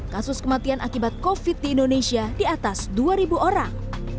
kasus kematian akibat covid di indonesia di atas dua orang